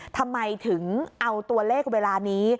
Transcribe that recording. ทำไมถึงเอาตัวเลขเวลานี้